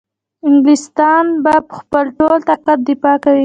انګلیسیان به په خپل ټول طاقت دفاع کوي.